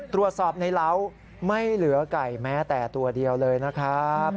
ตรวจสอบในเหล้าไม่เหลือไก่แม้แต่ตัวเดียวเลยนะครับ